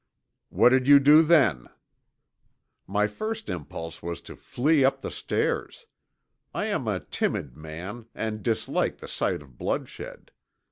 "What did you do then?" "My first impulse was to flee up the stairs. I am a timid man and dislike the sight of bloodshed.